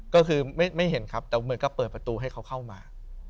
ก็คือไม่เห็นครับแต่เหมือนกับเปิดประตูให้เขาเข้ามา